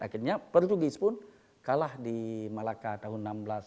akhirnya portugis pun kalah di malacca tahun seribu enam ratus empat puluh satu